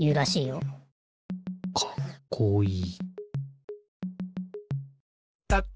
かっこいい。